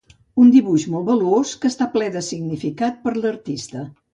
Un dibuix molt valuós que està ple de significat per l'artista.